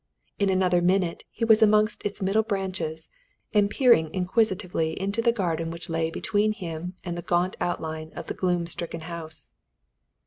In another minute he was amongst its middle branches, and peering inquisitively into the garden which lay between him and the gaunt outline of the gloom stricken house.